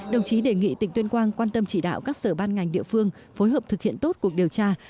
đồng chí đề nghị tỉnh tuyên quang quan tâm chỉ đạo các sở ban ngành địa phương phối hợp thực hiện tốt cuộc điều tra